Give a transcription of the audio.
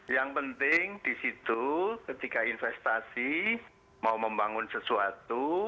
yang penting di situ ketika investasi mau membangun sesuatu